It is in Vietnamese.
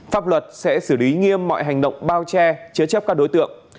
pháp luật sẽ xử lý nghiêm mọi hành động bao che chế chấp các đối tượng